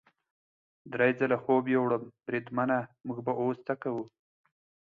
درې ځله خوب یووړم، بریدمنه موږ به اوس څه کوو؟